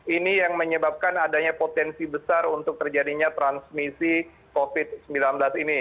ini yang menyebabkan adanya potensi besar untuk terjadinya transmisi covid sembilan belas ini